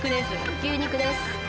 牛肉です。